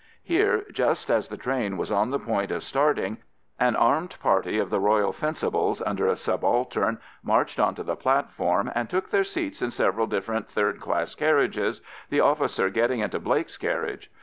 Here, just as the train was on the point of starting, an armed party of the Royal Fencibles under a subaltern marched on to the platform and took their seats in several different third class carriages, the officer getting into Blake's carriage.